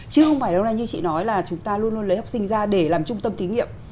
chứ không phải đâu ra như chị nói là chúng ta luôn luôn lấy học sinh ra để làm trung tâm thí nghiệm